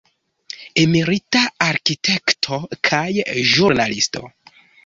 Emerita arkitekto kaj ĵurnalisto.